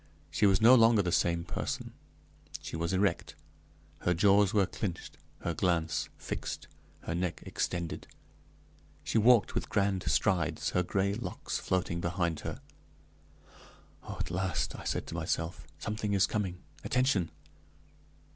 She was no longer the same person; she was erect, her jaws were clinched, her glance fixed, her neck extended; she walked with grand strides, her gray locks floating behind her. "Oh, at last," I said to myself, "something is coming, attention!"